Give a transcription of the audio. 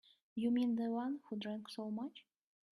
You mean the one who drank so much?